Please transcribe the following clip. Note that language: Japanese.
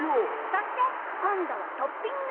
そしてこんどはトッピング。